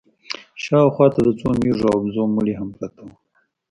شا و خوا ته د څو مېږو او وزو مړي هم پراته وو.